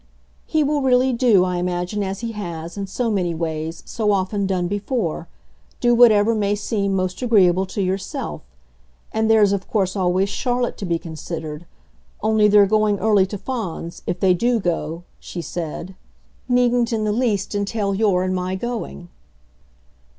"He will really do, I imagine, as he has, in so many ways, so often done before; do whatever may seem most agreeable to yourself. And there's of course always Charlotte to be considered. Only their going early to Fawns, if they do go," she said, "needn't in the least entail your and my going."